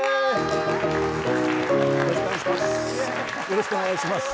よろしくお願いします。